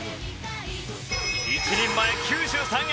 １人前９３円！